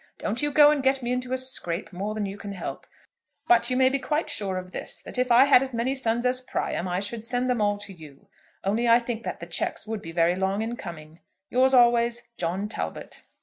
Don't you go and get me into a scrape more than you can help; but you may be quite sure of this that if I had as many sons as Priam I should send them all to you; only I think that the cheques would be very long in coming. Yours always, "JOHN TALBOT."